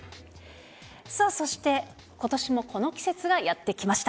さあ、そしてことしもこの季節がやって来ました。